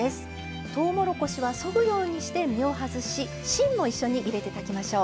とうもろこしはそぐようにして実を外し芯も一緒に入れて炊きましょう。